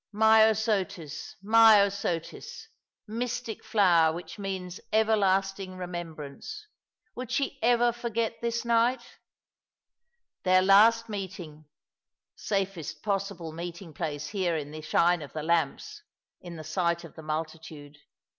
Myosotis, myosotis — mystic flower which means everlasting remembrance ! Would she ever forget this night ? Their last meeting — safest possible meeting place here in the shine of the lamps — in the sight of the multitude.